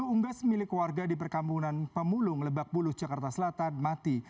sepuluh unggas milik warga di perkampungan pemulung lebak bulus jakarta selatan mati